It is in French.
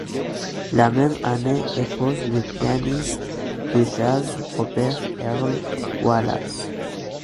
La même année, épouse le pianiste de jazz Robert Earl Wallace.